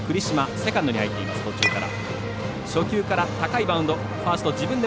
セカンドに入っています途中から。